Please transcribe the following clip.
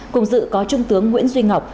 cùng dự có trung tướng nguyễn duy ngọc